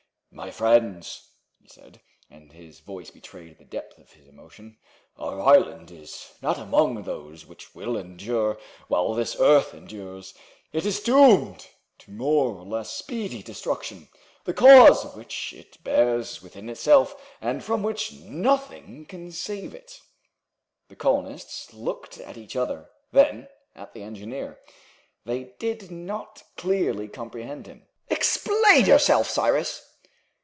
"My friends," he said, and his voice betrayed the depth of his emotion, "our island is not among those which will endure while this earth endures. It is doomed to more or less speedy destruction, the cause of which it bears within itself, and from which nothing can save it." The colonists looked at each other, then at the engineer. They did not clearly comprehend him. "Explain yourself, Cyrus!"